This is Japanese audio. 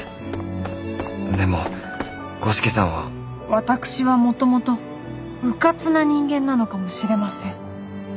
私はもともとうかつな人間なのかもしれません。